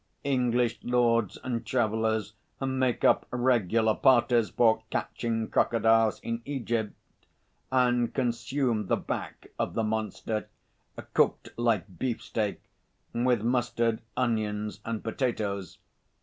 English lords and travellers make up regular parties for catching crocodiles in Egypt, and consume the back of the monster cooked like beefsteak, with mustard, onions and potatoes.